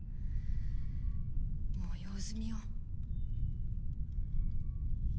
もう用済みよ。